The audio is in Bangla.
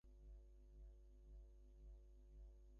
কিন্তু চিঠিটি বড় শুষ্ক এবং প্রাণহীন।